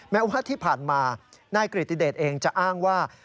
แม้ว่าที่ผ่านมานายกริติเดชเองจะอ้างว่า